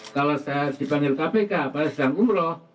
kalau saya dipanggil kpk pada saat umroh